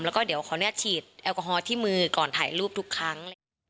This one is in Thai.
แล้วก็เดี๋ยวเขาฉีดแอลกอฮอลที่มือก่อนถ่ายรูปทุกครั้ง